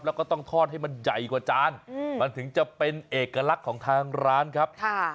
แล้วก็ต้องทอดให้มันใหญ่กว่าจานมันถึงจะเป็นเอกลักษณ์ของทางร้านครับ